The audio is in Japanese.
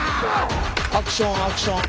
アクションアクション。